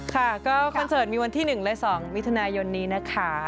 ค่ะก็คอนเสิร์ตมีวันที่๑และ๒มิถุนายนนี้นะคะ